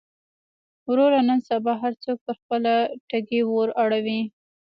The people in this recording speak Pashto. وروره نن سبا هر څوک پر خپله ټکۍ اور اړوي.